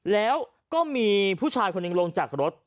แล้วก็มีผู้ชายคนหนึ่งลงจากรถ